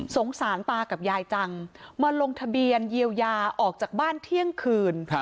สารตากับยายจังมาลงทะเบียนเยียวยาออกจากบ้านเที่ยงคืน